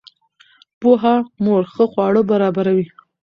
پوهه مور ښه خواړه برابروي.